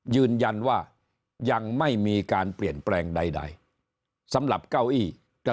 ยืนยันว่ายังไม่มีการเปลี่ยนแปลงใด